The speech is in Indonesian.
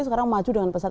sekarang maju dengan pesat